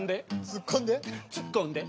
「ツッコんで！」